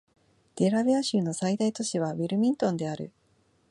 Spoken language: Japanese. デラウェア州の最大都市はウィルミントンである